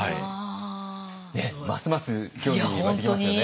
ますます興味湧いてきますよね。